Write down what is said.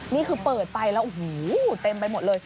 นี่เขาเปิดไปแล้วอยู่เต็มไปหมดเลย